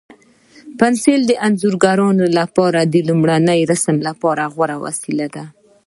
پنسل د انځورګرانو لپاره د لومړني رسم لپاره غوره وسیله ده.